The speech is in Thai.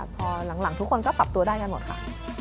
พอหลังทุกคนก็ปรับตัวได้กันหมดค่ะ